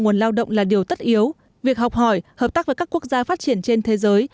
nguồn lao động là điều tất yếu việc học hỏi hợp tác với các quốc gia phát triển trên thế giới